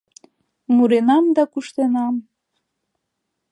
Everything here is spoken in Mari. — Муренам да куштенам.